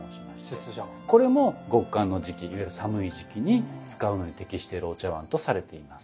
これも極寒の時期いわゆる寒い時期に使うのに適しているお茶碗とされています。